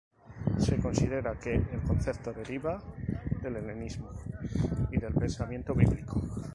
Se considera que el concepto deriva del helenismo y del pensamiento bíblico.